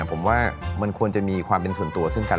แล้วคุณพูดกับอันนี้ก็ไม่รู้นะผมว่ามันความเป็นส่วนตัวซึ่งกัน